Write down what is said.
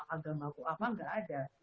agamaku apa nggak ada